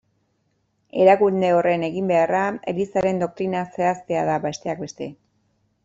Erakunde horren eginbeharra Elizaren doktrina zehaztea da, besteak beste.